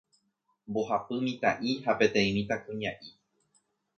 Mbohapy mitã'i ha peteĩ mitãkuña'i.